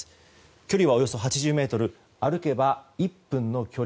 距離はおよそ８０ｍ歩けば１分の距離。